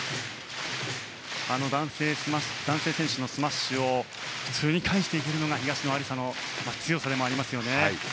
男性選手のスマッシュを普通に返していけるのが東野有紗の強さでもありますよね。